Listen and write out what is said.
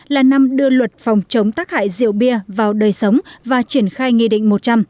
là năm đưa luật phòng chống tác hại rượu bia vào đời sống và triển khai nghị định một trăm linh